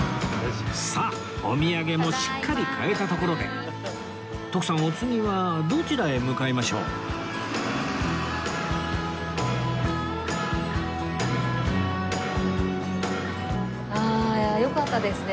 さあお土産もしっかり買えたところで徳さんお次はどちらへ向かいましょう？ああよかったですね